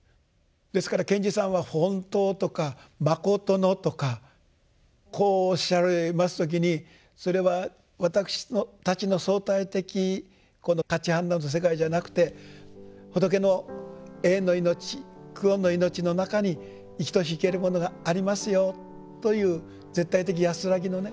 ですから賢治さんは「ほんたう」とか「まことの」とかこうおっしゃられます時にそれは私たちの相対的この価値判断の世界じゃなくて仏の永遠の命久遠の命の中に生きとし生けるものがありますよという絶対的安らぎのね